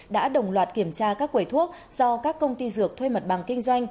đã đồng loạt kiểm tra các quầy thuốc do các công ty dược thuê mặt bằng kinh doanh